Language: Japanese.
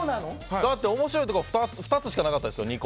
だって面白いとこ２つしかなかったですよ。